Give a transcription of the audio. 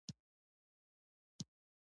خلم دره ولې تنګه ده؟